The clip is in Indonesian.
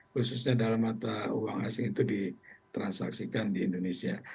jadi khususnya dalam mata uang asing itu ditransaksikan di indonesia